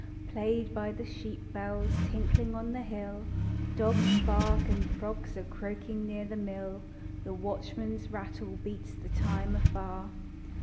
Played by the sheep bells tinkling on the hill; Dogs bark and frogs are croaking near the mill, The watchman's rattle beats the time afar.